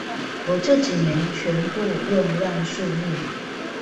我這幾年全部用亂數密碼